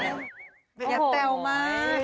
เดี๋ยวคนดีกลัวเดี๋ยวเขาไม่กล้ากัน